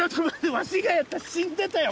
ワシ以外やったら死んでたよ